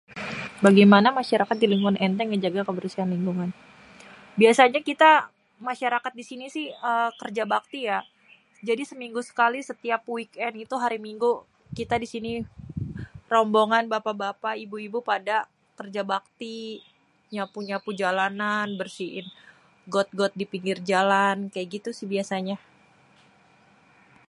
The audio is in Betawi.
"""Bagaimana masyarakat di lingkungan ente ngejaga kebersihan lingkungan?"", biasanya kita masyarakat di sini si uhm kerja bakti ya jadi seminggu sekali setiap weekend itu hari minggu kita di sini rombongan bapak-bapak ibu-ibu pada kerja bakti, nyapu-nyapu jalanan bersiin got-got dipinggir jalan. Kayak gitu sih biasanya."